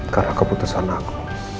karena keputusan aku